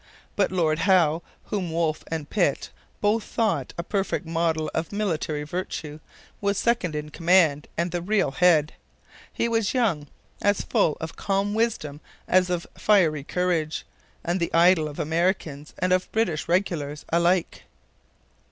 But Lord Howe, whom Wolfe and Pitt both thought 'a perfect model of military virtue,' was second in command and the real head. He was young, as full of calm wisdom as of fiery courage, and the idol of Americans and of British regulars alike.